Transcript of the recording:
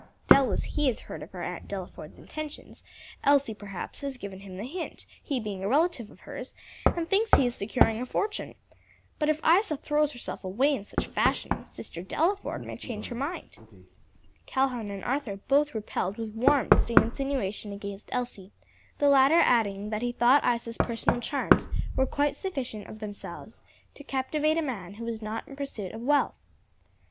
Doubtless he has heard of her Aunt Delaford's intentions Elsie perhaps has given him the hint, he being a relative of hers and thinks he is securing a fortune. But if Isa throws herself away in such fashion, Sister Delaford may change her mind." Calhoun and Arthur both repelled with warmth the insinuation against Elsie; the latter adding that he thought Isa's personal charms were quite sufficient of themselves to captivate a man who was not in pursuit of wealth.